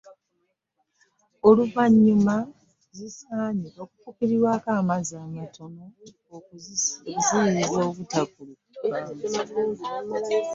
Oluvannyuma, zisanye okufukirirwako amazzi matono okuziziyiza obutakulugguka.